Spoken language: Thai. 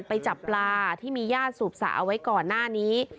ไปจับปลาที่มีญาติสูบสระเอาไว้ก่อนหน้านี้